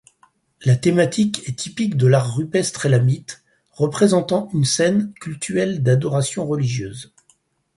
La thématique est typique de l’art rupestre élamite, représentant une scène cultuelle d’adoration religieuse.